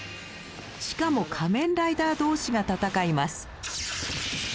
しかも仮面ライダー同士が戦います。